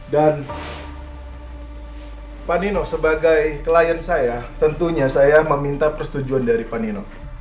dan pak nino sebagai klien saya tentunya saya meminta persetujuan dari pak nino